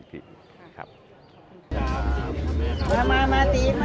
ไปได้แค่ว่า